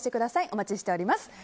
お待ちしております。